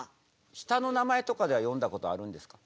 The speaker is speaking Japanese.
下の名前とかではよんだことあるんですか？